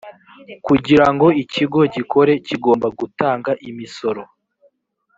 kugirango ikigo gikore kigomba gutanga imisoro